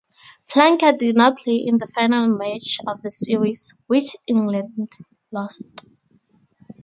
Plunkett did not play in the final match of the series, which England lost.